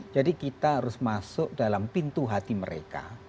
jadi kita harus masuk dalam pintu hati mereka